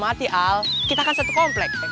mati al kita kan satu komplek